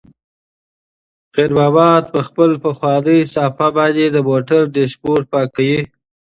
خیر محمد په خپله پخوانۍ صافه باندې د موټر ډشبورډ پاکوي.